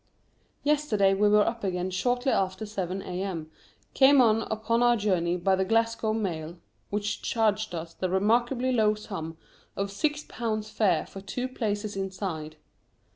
Yesterday we were up again shortly after seven A.M., came on upon our journey by the Glasgow mail, which charged us the remarkably low sum of six pounds fare for two places inside.